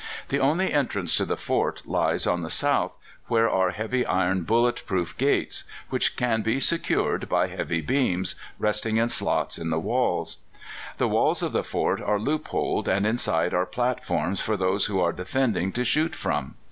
The only entrance to the fort lies on the south, where are heavy iron bullet proof gates, which can be secured by heavy beams resting in slots in the wall. The walls of the fort are loopholed, and inside are platforms for those who are defending to shoot from.